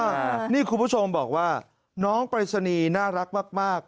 คุณผู้ชมนี่คุณผู้ชมบอกว่าน้องปริศนีย์น่ารักมากมาก